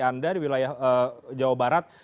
anda di wilayah jawa barat